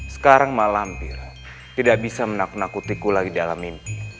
sekarang mak lampir tidak bisa menakutiku lagi dalam mimpi